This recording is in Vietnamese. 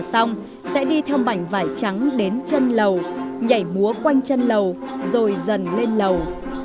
xong sẽ đi theo mảnh vải trắng đến chân lẩu nhảy múa quanh chân lẩu rồi dần lên lẩu